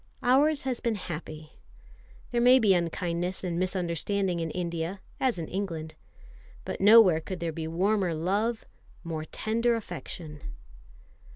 Ours has been happy. There may be unkindness and misunderstanding in India, as in England; but nowhere could there be warmer love, more tender affection.